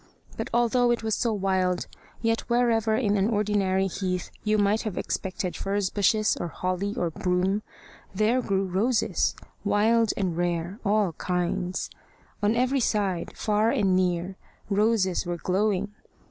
But although it was so wild, yet wherever in an ordinary heath you might have expected furze bushes, or holly, or broom, there grew roses wild and rare all kinds. On every side, far and near, roses were glowing.